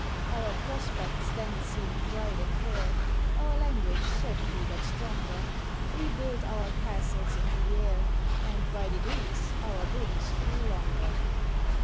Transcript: Our prospects then seemed bright and fair, (Our language certainly got stronger) We built our castles in the air, And by degrees our drinks grew longer.